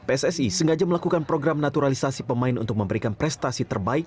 pssi sengaja melakukan program naturalisasi pemain untuk memberikan prestasi terbaik